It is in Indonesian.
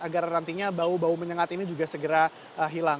agar nantinya bau bau menyengat ini juga segera hilang